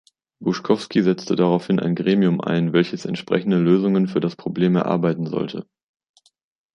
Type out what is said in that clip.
Buschkowsky setzte daraufhin ein Gremium ein, welches entsprechende Lösungen für das Problem erarbeiten sollte.